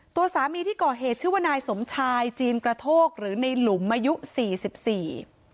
ตัวสามีที่ก่อเหตุชื่อว่านายสมชายจีนกระโทกหรือในหลุมอายุสี่สิบสี่